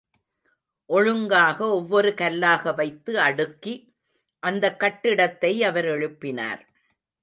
ஒழுங்காக ஒவ்வொரு கல்லாக வைத்து அடுக்கி அந்தக் கட்டிடத்தை அவர் எழுப்பினார்.